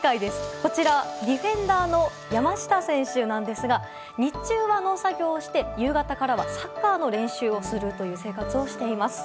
こちら、ディフェンダーの山下選手なんですが日中は農作業をして夕方からはサッカーの練習をする生活をしています。